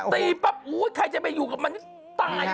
ตีปั๊บใครจะไปอยู่กับมันตาย